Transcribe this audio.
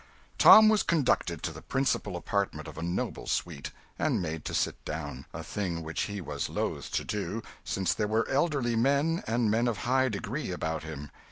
Tom was conducted to the principal apartment of a noble suite, and made to sit down a thing which he was loth to do, since there were elderly men and men of high degree about him.